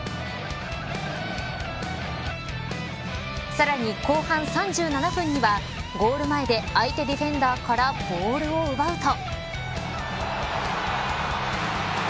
さらに、後半３７分にはゴール前で相手ディフェンダーからボールを奪うと。